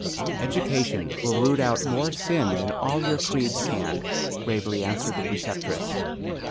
"Education will root out more sin than all your creeds can," gravely answered the Preceptress.